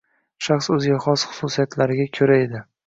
Shaxs o‘ziga xos xususiyatlariga ko‘ra edi.